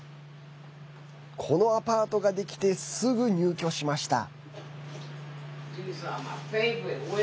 このアパートができてすぐ入居しました。